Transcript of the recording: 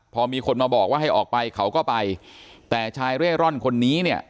พอมีคนมาบอกว่าให้ออกไปเขาก็ไปแต่ชายเร่ร่อนคนนี้เนี่ย